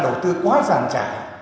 ta đầu tư quá giản trải